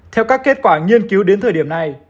theo các kết quả nghiên cứu đến thời điểm này